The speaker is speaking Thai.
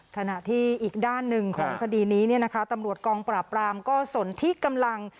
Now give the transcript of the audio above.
ขณะที่อีกด้านหนึ่งของคดีนี้ตำรวจกองปราบรามก็สนที่กำลัง